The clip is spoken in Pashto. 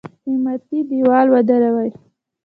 حمایتي دېوال ودروي.